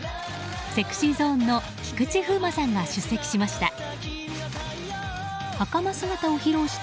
ＳｅｘｙＺｏｎｅの菊池風磨さんが出席しました。